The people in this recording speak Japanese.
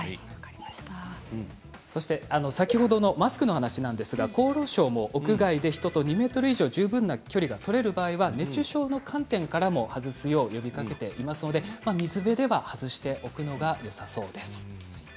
先ほどのマスクの話ですが厚労省も屋外で２ｍ以上十分な距離がある場合には熱中症の観点からも外すよう呼びかけていますので水辺では外しておくのがよさそうです。